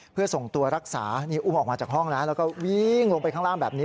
เพื่อส่งตัวรักษานี่อุ้มออกมาจากห้องแล้วแล้วก็วิ่งลงไปข้างล่างแบบนี้